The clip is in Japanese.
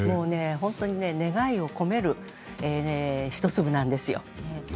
願いを込める１粒なんですよ